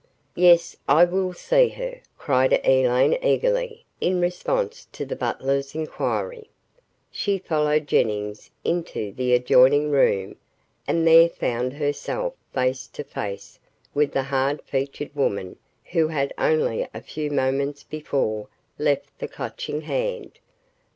"Yes, I will see her," cried Elaine eagerly, in response to the butler's inquiry. She followed Jennings into the adjoining room and there found herself face to face with the hard featured woman who had only a few moments before left the Clutching Hand.